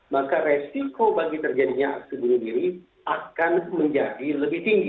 maka resiko bagi terjadinya aksi bunuh diri akan menjadi lebih tinggi